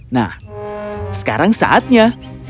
nah sekarang saatnya